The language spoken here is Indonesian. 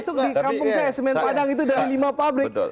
masuk di kampung saya semen padang itu dari lima pabrik